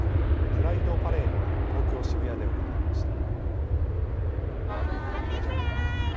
プライドパレードが東京渋谷で行われました。